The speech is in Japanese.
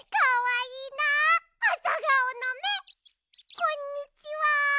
こんにちは。